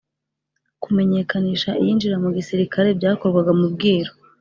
kumenyekanisha iyinjira mu gisilikare byakorwaga mu bwiru